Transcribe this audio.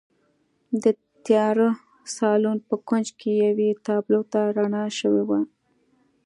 د تیاره سالون په کونج کې یوې تابلو ته رڼا شوې وه